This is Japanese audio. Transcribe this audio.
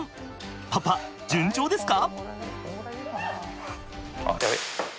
パパ順調ですか？